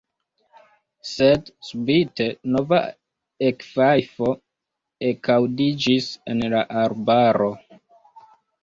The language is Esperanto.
Sed subite nova ekfajfo ekaŭdiĝis en la arbaro.